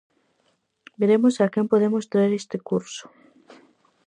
Veremos a quen podemos traer este curso...